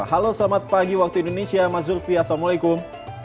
halo selamat pagi waktu indonesia mas zulfi assalamualaikum